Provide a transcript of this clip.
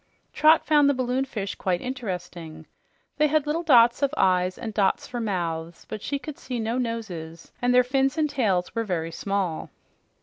Trot found the balloonfish quite interesting. They had little dots of eyes and dots for mouths, but she could see no noses, and their fins and tails were very small.